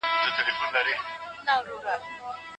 مړ به دي نقيب کړې داسې مه کوه